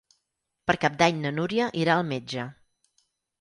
Per Cap d'Any na Núria irà al metge.